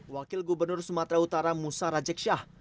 wakil gubernur sumatera utara musa rajeksah